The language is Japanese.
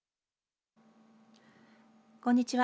こんにちは。